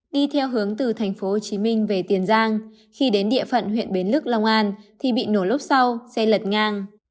đi theo hướng từ tp hcm về tiền giang khi đến địa phận huyện bến lức long an thì bị nổ lốp sau xe lật ngang